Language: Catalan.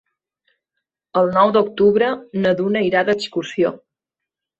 El nou d'octubre na Duna irà d'excursió.